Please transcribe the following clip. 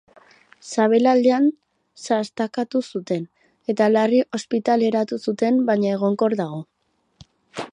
Sabelaldean sastakatu zuten, eta larri ospitaleratu zuten baina egonkor dago.